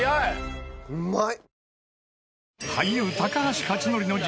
うまい。